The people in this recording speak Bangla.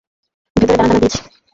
ভেতরে দানা দানা বীজ।